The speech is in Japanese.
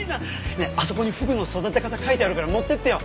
ねえあそこにフグの育て方書いてあるから持ってってよ。